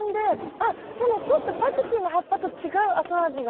あっでもちょっとパクチーの葉っぱと違う後味が。